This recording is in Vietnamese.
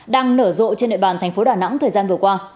đang nở rộ trên nệp bàn tp đà nẵng thời gian vừa qua